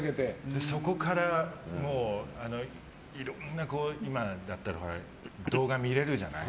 そこから、いろんな今だったら動画見れるじゃない。